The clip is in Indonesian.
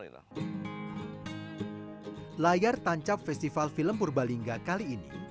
layar tancap festival film purbalingga kali ini